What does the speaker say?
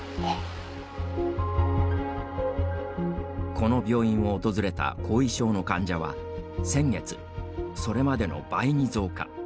この病院を訪れた後遺症の患者は先月、それまでの倍に増加。